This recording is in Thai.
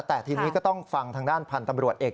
แต่ทีนี้ก็ต้องฟังทางด้านพันธ์ตำรวจเอก